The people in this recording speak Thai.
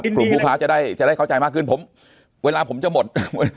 กลุ่มผู้พ้าจะได้เข้าใจมากขึ้นผมเวลาผมจะหมด